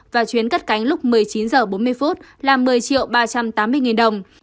và chuyến cắt cánh lúc một mươi chín h bốn mươi là một mươi ba trăm tám mươi đồng